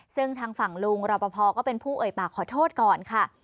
ซึ่งทางฝั่งลุงรอปภก็เป็นผู้เอ่ยปากขอโทษก่อนค่ะ